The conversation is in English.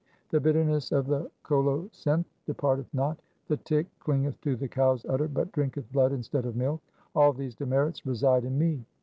The bitterness of the colo cynth departeth not, the tick clingeth to the cow's udder, but drinketh blood instead of milk. All these demerits reside in me.